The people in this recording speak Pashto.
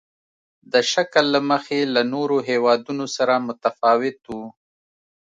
د شکل له مخې له نورو هېوادونو سره متفاوت وو.